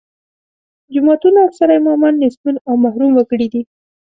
جوماتونو اکثره امامان نیستمن او محروم وګړي دي.